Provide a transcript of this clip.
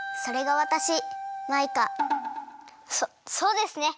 そそうですね。